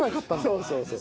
そうそうそう。